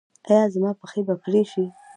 ایا زما پښې به پرې شي؟